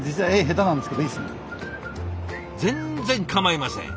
全然かまいません。